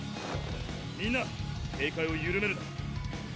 みんな警戒を緩めるな。